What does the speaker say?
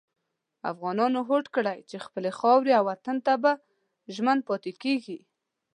افغانانو هوډ کړی چې خپلې خاورې او وطن ته به ژمن پاتې کېږي.